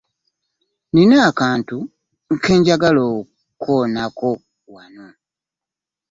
Nnina akantu ke njagala okukoonako wano.